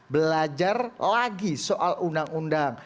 belajar lagi soal undang undang